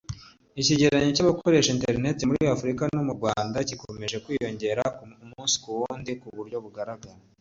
Ikigereranyo cy’abakoresha interineti muri Afrika no mu Rwanda gikomeje kwiyongera umunsi k’uwundi mu buryo bugaragara